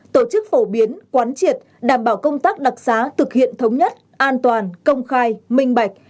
tổ chức phổ biến quán triệt đảm bảo công tác đặc xá thực hiện thống nhất an toàn công khai minh bạch